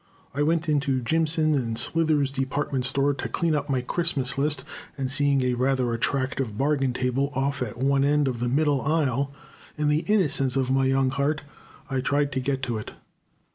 I went into Jimson and Slithers' Department Store to clean up my Christmas list, and, seeing a rather attractive bargain table off at one end of the middle aisle, in the innocence of my young heart, I tried to get to it.